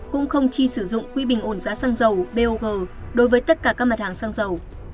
cũng không chi sử dụng quỹ bình ổn giá xăng dầu bog đối với tất cả các mặt hàng xăng dầu